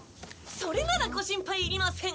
それならご心配いりません！